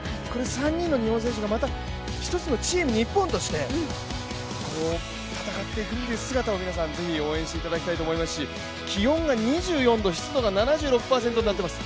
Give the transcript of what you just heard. ３人の日本人選手が１つのチーム日本として戦っていく姿を是非応援してほしいと思いますし気温が２４度、湿度が７６％となっています。